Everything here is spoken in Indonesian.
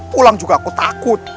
pulang juga aku takut